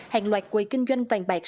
hàng loạt quầy kinh doanh vàng bạc